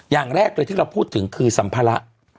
อย่างแรกเลยที่เราพูดถึงคือสัมภาระ